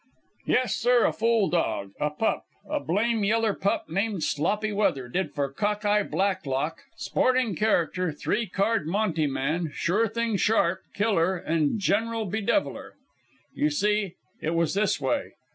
Yes, sir, a fool dog, a pup, a blame yeller pup named Sloppy Weather, did for Cock eye Blacklock, sporting character, three card monte man, sure thing sharp, killer, and general bedeviler. "You see, it was this way.